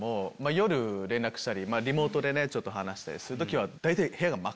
夜連絡したりリモートでちょっと話したりする時は。